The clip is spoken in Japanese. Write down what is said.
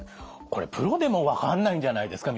これプロでも分かんないんじゃないですか？